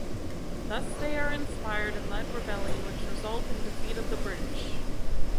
Thus they are inspired and led rebellion which result in defeat of the British.